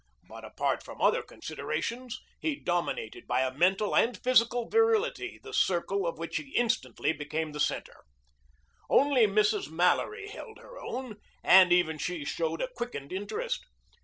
But apart from other considerations, he dominated by mental and physical virility the circle of which he instantly became the center. Only Mrs. Mallory held her own, and even she showed a quickened interest.